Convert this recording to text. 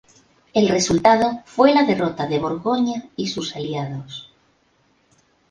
El resultado fue la derrota de Borgoña y sus aliados.